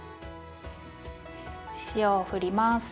塩をふります。